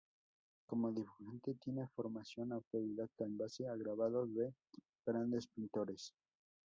Como dibujante tiene formación autodidacta, en base a grabados de grandes pintores.